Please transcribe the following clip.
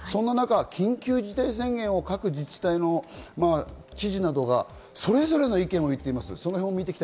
そんな中、緊急事態宣言を各自治体の知事などがそれぞれの意見を言っています。